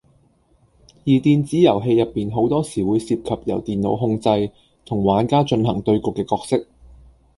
而電子遊戲入面好多時會涉及由電腦控制，同玩家進行對局嘅角色